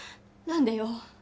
何でよ？